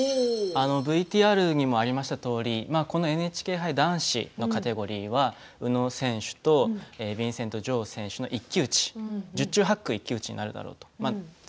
ＶＴＲにもありましたようにこのＮＨＫ杯男子のカテゴリーは宇野選手とビンセント・ジョウ選手の一騎打ち、十中八九、一騎打ちになると思います。